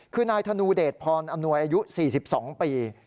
คือนายธนูเดชพรอำนวยอายุ๔๒ปี